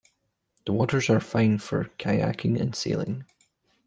The waters are fine for kayaking and sailing.